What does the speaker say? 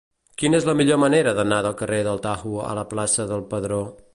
Quina és la millor manera d'anar del carrer del Tajo a la plaça del Pedró?